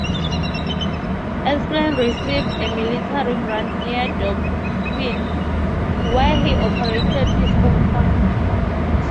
Esplen received a military grant near Dauphin, where he operated his own farm.